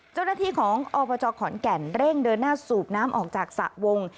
เจ้าหน้าที่ของอบจขอนแก่นเร่งเดินหน้าสูบน้ำออกจากสระวง